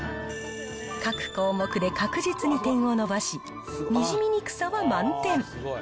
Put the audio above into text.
各項目で確実に点を伸ばし、にじみにくさは満点。